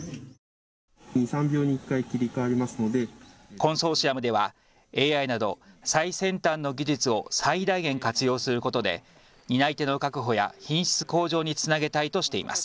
コンソーシアムではＡＩなど最先端の技術を最大限活用することで担い手の確保や品質向上につなげたいとしています。